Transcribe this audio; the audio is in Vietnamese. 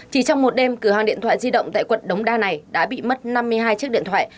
chỉ trong một đêm cửa hàng điện thoại di động tại quận đống đa này đã bị mất năm mươi hai chiếc điện thoại